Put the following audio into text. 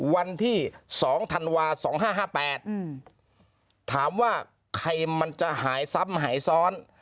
วันที่สองธันวาสองห้าห้าแปดอืมถามว่าใครมันจะหายซ้ำหายซ้อน